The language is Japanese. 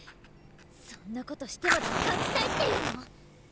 そんな事してまで勝ちたいっていうの！？